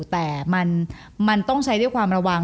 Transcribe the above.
แต่มันต้องใช้ด้วยความระวัง